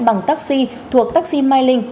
bằng taxi thuộc taxi mylink